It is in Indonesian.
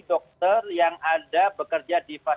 dokter yang ada bekerja